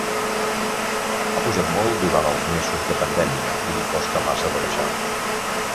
Ha pujat molt durant els mesos de pandèmia i li costa massa de baixar.